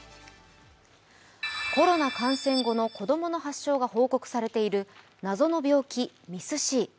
コロナ感染後の子供の発症が報告されている謎の病気ＭＩＳ−Ｃ。